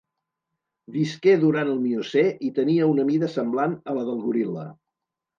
Visqué durant el Miocè i tenia una mida semblant a la del goril·la.